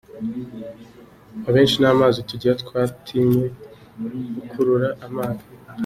Abenshi nta mazi tugira twatinye gukurura amazi.